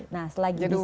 nah selagi disana